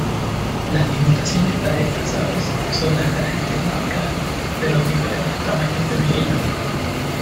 Las limitaciones para estas aves son las características de los diferentes tamaños de mejillón.